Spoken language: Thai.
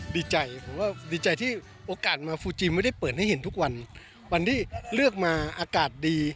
ดีใจผมว่าดีใจที่โอกาสมาฟูจิไม่ได้เปิดให้เห็นทุกวันวันที่เลือกมาอากาศดี